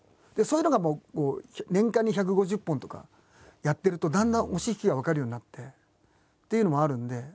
そういうのが年間に１５０本とかやってるとだんだん押し引きが分かるようになってっていうのもあるんで。